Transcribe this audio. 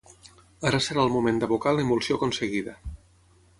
Ara serà el moment d'abocar l'emulsió aconseguida